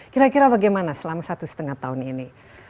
kira kira bagaimana selama satu setengah tahun ini